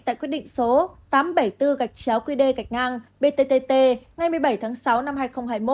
tại quyết định số tám trăm bảy mươi bốn gạch chéo qd gạch ngang btt ngày một mươi bảy tháng sáu năm hai nghìn hai mươi một